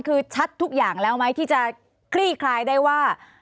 คือชัดทุกอย่างแล้วไหมที่จะคลี่คลายได้ว่า